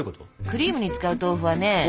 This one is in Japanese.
クリームに使う豆腐はね